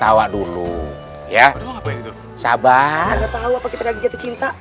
aku gak tau apakah kita lagi jatuh cinta